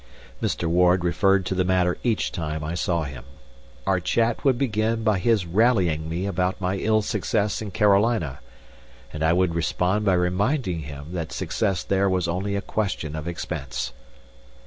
Mr. Ward referred to the matter each time I saw him. Our chat would begin by his rallying me about my ill success in Carolina, and I would respond by reminding him that success there was only a question of expense.